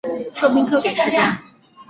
授兵科给事中。